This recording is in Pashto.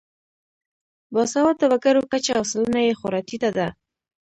باسواده وګړو کچه او سلنه یې خورا ټیټه ده.